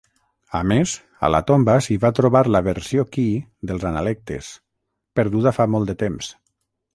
A més, a la tomba s'hi va trobar la "versió Qi" dels Analectes, perduda fa molt de temps.